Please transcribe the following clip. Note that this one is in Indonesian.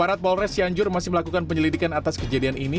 aparat polres cianjur masih melakukan penyelidikan atas kejadian ini